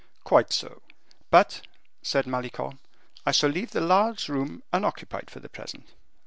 "Quite so." "But," said Malicorne, "I shall leave the large room unoccupied for the present."